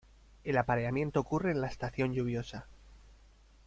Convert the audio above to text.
El apareamiento ocurre en la estación lluviosa.